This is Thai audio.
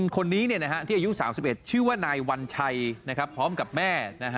คนนี้ที่อายุ๓๑ชื่อว่านายวัญชัยพร้อมกับแม่